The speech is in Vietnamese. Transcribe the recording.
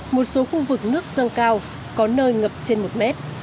một số khu vực nước sâu cao có nơi ngập trên một mét